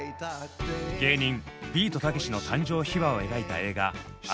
芸人ビートたけしの誕生秘話を描いた映画「浅草キッド」。